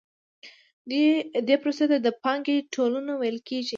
دې پروسې ته د پانګې ټولونه ویل کېږي